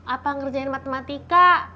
apa ngerjain matematika